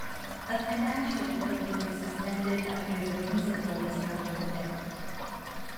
A financial clerk was suspended after the principal discovered the theft.